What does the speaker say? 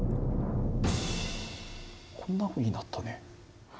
こんなふうになったね。